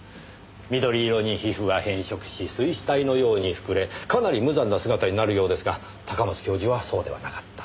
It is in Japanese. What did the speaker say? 緑色に皮膚が変色し水死体のように膨れかなり無残な姿になるようですが高松教授はそうではなかった。